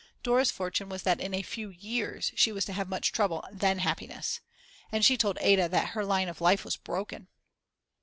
Dora's fortune was that in a few years she was to have much trouble and then happiness. And she told Ada that her line of life was broken!!